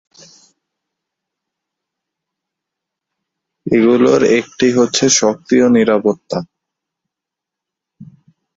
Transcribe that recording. এগুলোর একটি হচ্ছে সক্রিয় নিরাপত্তা।